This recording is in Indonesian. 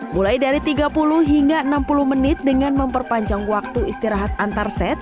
mulai dari tiga puluh hingga enam puluh menit dengan memperpanjang waktu istirahat antarset